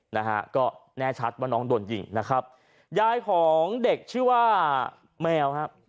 นะฮะก็แน่ชัดว่าน้องโดนยิงนะครับยายของเด็กชื่อว่าแมวครับ